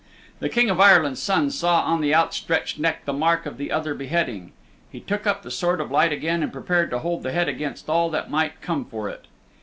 The King of Ireland's Son saw on the outstretched neck the mark of the other beheading. He took up the Sword of Light again and prepared to hold the head against all that might come for it.